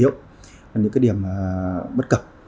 những cái điểm yếu những cái điểm bất cập